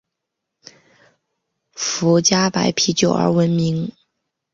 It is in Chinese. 福佳白啤酒而闻名。